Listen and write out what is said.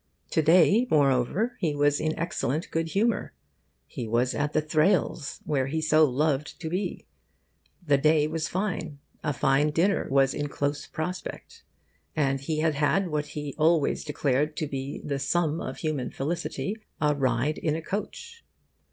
To day moreover, he was in excellent good humour. He was at the Thrales', where he so loved to be; the day was fine; a fine dinner was in close prospect; and he had had what he always declared to be the sum of human felicity a ride in a coach.